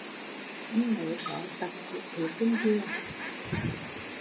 Anh nớ có tật hút thuốc trên giường